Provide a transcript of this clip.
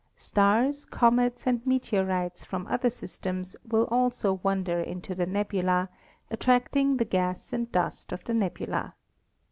Stars, comets and meteorites from other systems will also wander into the nebula, attracting the gas and dust of the nebula.